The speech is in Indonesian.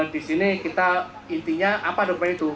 di sini kita intinya apa dokumen itu